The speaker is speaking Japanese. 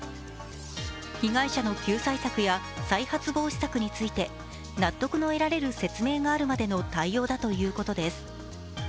被害者の救済策や再発防止策について納得の得られる説明があるまでの対応だということです。